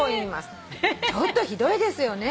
「ちょっとひどいですよね」